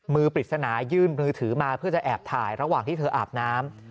ปริศนายื่นมือถือมาเพื่อจะแอบถ่ายระหว่างที่เธออาบน้ำ